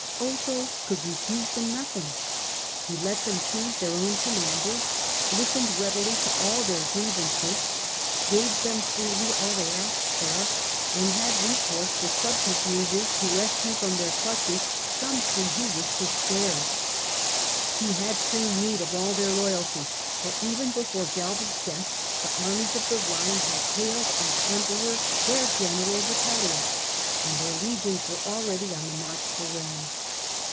Otho could refuse them nothing. He let them choose their own commanders, listened readily to all their grievances, gave them freely all they asked for, and had recourse to subterfuges to rescue from their clutches some whom he A, H. K 130 The Earlier Empire, A.D. 69. But the armies of the Rhine had chosen Vitellius as their Emperor, wished to spare. He had soon need of all their loyalty, for even before Galba's death the armies of the Rhine had hailed as Emperor their general Vitellius, and their legions were already on the march for Rome.